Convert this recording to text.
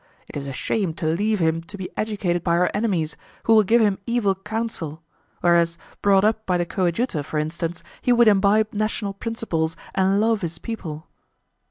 It is a shame to leave him to be educated by our enemies, who will give him evil counsel; whereas, brought up by the coadjutor, for instance, he would imbibe national principles and love his people."